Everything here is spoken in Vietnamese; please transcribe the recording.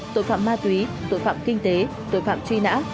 tội phạm ma túy tội phạm kinh tế tội phạm truy nã